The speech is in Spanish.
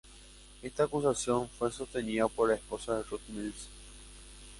Esta acusación fue sostenida por la esposa de Rud Mills.